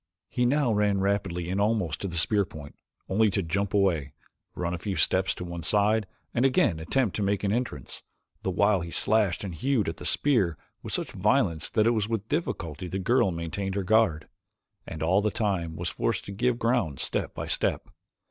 He now ran rapidly in almost to the spear's point, only to jump away, run a few steps to one side and again attempt to make an entrance, the while he slashed and hewed at the spear with such violence that it was with difficulty the girl maintained her guard, and all the time was forced to give ground step by step.